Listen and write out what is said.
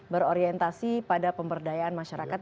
berorientasi pada pemberdayaan masyarakat